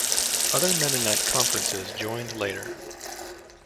Other Mennonite conferences joined later.